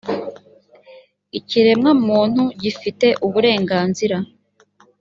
ikiremwamuntu gifite uburenganzira.